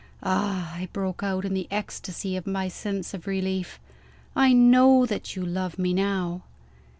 "Ah," I broke out, in the ecstasy of my sense of relief, "I know that you love me, now!"